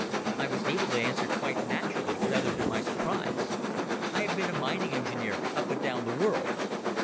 I was able to answer quite naturally, rather to my surprise. "I have been a mining engineer up and down the world."